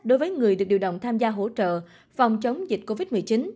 đối với người được điều động tham gia hỗ trợ phòng chống dịch covid một mươi chín